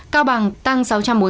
cao bằng tăng sáu trăm bốn mươi sáu